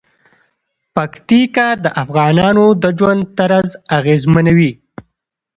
پکتیکا د افغانانو د ژوند طرز اغېزمنوي.